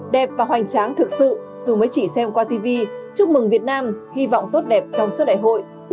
đẹp và hoành tráng thực sự dù mới chỉ xem qua tv chúc mừng việt nam hy vọng tốt đẹp trong suốt đại hội